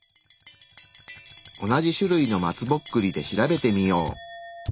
同じ種類の松ぼっくりで調べてみよう。